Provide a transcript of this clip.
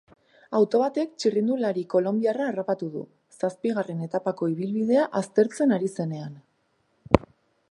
Auto batek txirrindulari kolonbiarra harrapatu du, zazpigarren etapako ibilbidea aztertzen ari zenean.